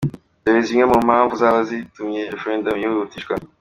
Dore zimwe mu mpamvu zaba zitumye referendum yihutishwa: .